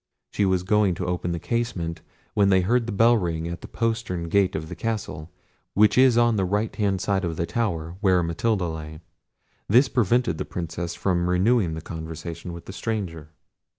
She was going to open the casement, when they heard the bell ring at the postern gate of the castle, which is on the right hand of the tower, where Matilda lay. This prevented the Princess from renewing the conversation with the stranger.